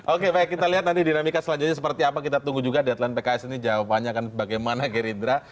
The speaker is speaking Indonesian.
oke baik kita lihat nanti dinamika selanjutnya seperti apa kita tunggu juga deadline pks ini jawabannya akan bagaimana gerindra